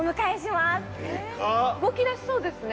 ◆でかっ！◆動きだしそうですね。